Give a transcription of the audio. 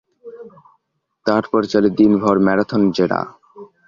তার পর চলে দিনভর ম্যারাথন জেরা।